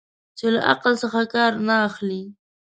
چې له عقل څخه کار نه اخلي.